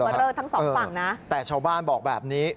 เลิศทั้งสองฝั่งนะแต่ชาวบ้านบอกแบบนี้